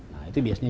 nah itu biasanya